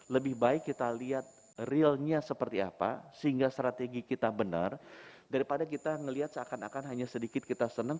lebih baik kita lihat realnya seperti apa sehingga strategi kita benar daripada kita melihat seakan akan hanya sedikit kita senang